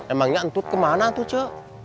emangnya entut kemana tute